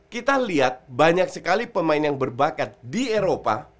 kita lihat banyak sekali pemain yang berbakat di eropa